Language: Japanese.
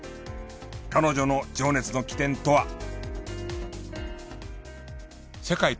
彼女の情熱の起点とは？